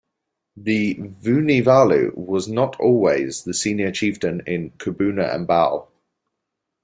The Vunivalu was not always the senior Chieftain in Kubuna and Bau.